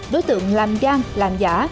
đối tượng làm giang làm giả